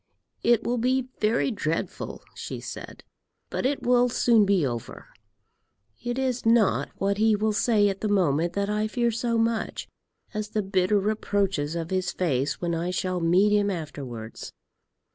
"It will be very dreadful," she said, "but it will soon be over. It is not what he will say at the moment that I fear so much, as the bitter reproaches of his face when I shall meet him afterwards."